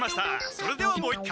それではもう一回。